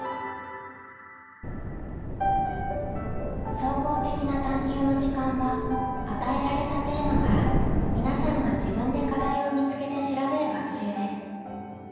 「総合的な探究の時間」は与えられたテーマから皆さんが自分で課題を見つけて調べる学習です。